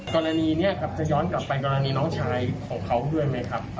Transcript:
กรณีนี้ครับจะย้อนกลับไปกรณีน้องชายของเขาด้วยไหมครับ